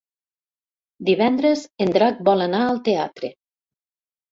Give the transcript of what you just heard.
Divendres en Drac vol anar al teatre.